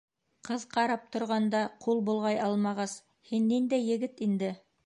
Ҡыҙ ҡарап торғанда ҡул болғай алмағас, һин ниндәй егет инде?